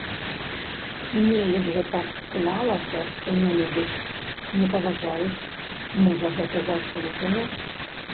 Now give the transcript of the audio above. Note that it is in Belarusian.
Неяк жа так склалася, што не любяць, не паважаюць, можа гэта заслужана?